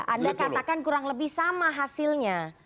anda katakan kurang lebih sama hasilnya